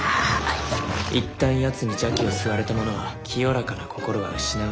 一旦やつに邪気を吸われた者は清らかな心は失われる。